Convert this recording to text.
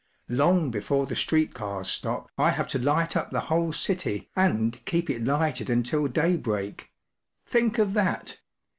“Long before the street cars stop I have to light up the whole city, and keep it lighted until daybreak. Think of that!